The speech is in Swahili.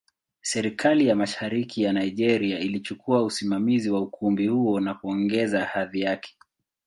Serikali ya Mashariki ya Nigeria ilichukua usimamizi wa ukumbi huo na kuongeza hadhi yake.